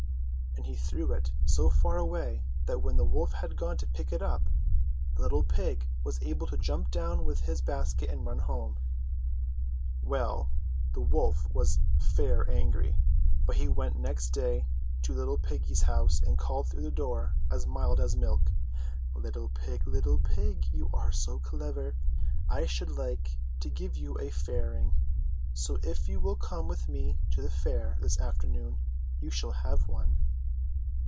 And he threw it so far away, that when the wolf had gone to pick it up, the little pig was able to jump down with his basket and run home. Well, the wolf was fair angry ; but he went next day to the little piggy's house and called through the door, as mild as milk : "Little pig! Little pig! You are so clever, I should like to give you a fairing ; so if you will come with me to the fair this afternoon you shall have one."